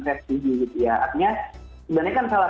versi g artinya sebenarnya kan salah